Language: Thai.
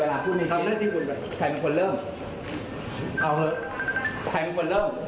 เอาเถอะใครเป็นคนเริ่ม